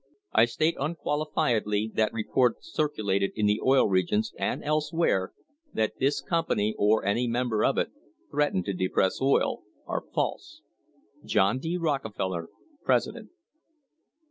I state unqualifiedly that reports circulated in the Oil Region and elsewhere, that this company, or any member of it, threatened to depress oil, are false. John D. Rockefeller, President.